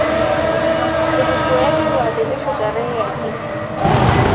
Sikukuu yake huadhimishwa tarehe ya kifo.